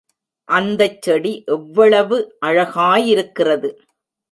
அந்தச் செடி எவ்வளவு அழகாயிருக்கிறது!